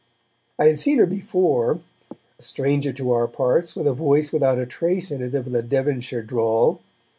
I had seen her before; a stranger to our parts, with a voice without a trace in it of the Devonshire drawl.